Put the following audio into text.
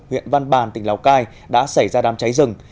huyện văn bàn tỉnh lào cai đã xảy ra đám cháy rừng